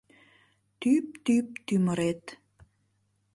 Тӱп-тӱп тӱмырет